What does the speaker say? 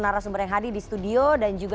narasumber yang hadir di studio dan juga